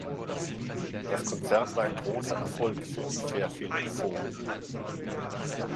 Das Konzert war ein großer Erfolg für die Fairfield Four.